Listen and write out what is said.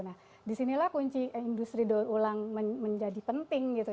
nah disinilah kunci industri daur ulang menjadi penting gitu